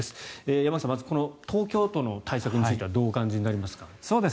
山口さん、まずこの東京都の対策についてはどうお感じになりますか？